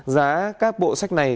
giá các bộ sách này